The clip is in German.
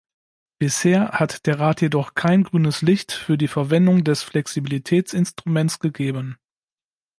Bisher hat der Rat jedoch kein grünes Licht für die Verwendung des Flexibilitätsinstruments gegeben.